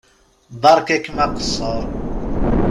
Beṛka-kem aqeṣṣeṛ.